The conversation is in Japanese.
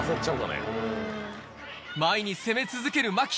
前に攻め続ける茉輝。